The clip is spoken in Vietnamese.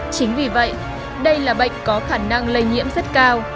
chính vì vậy đây là bệnh có khả năng lây nhiễm rất cao